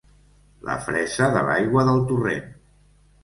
La fressa de l'aigua del torrent.